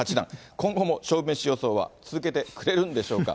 今後も勝負メシ予想は続けてくれるんでしょうか。